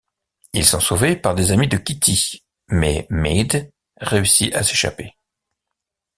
Ils sont sauvés par des amis de Kitty, mais Meade réussit à s'échapper.